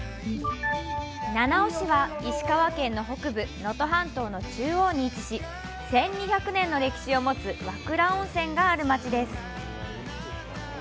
七尾市は、石川県の北部能登半島の中央に位置し１２００年の歴史を持つ和倉温泉がある町です。